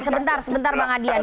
sebentar sebentar bang adian